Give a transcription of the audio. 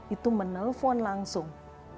itu menelpon langsung